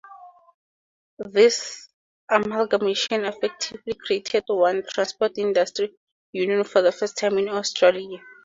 This amalgamation effectively created one transport industry union for the first time in Australia.